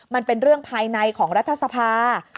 มันเป็นเรื่องภายในของรัฐธรรมนูน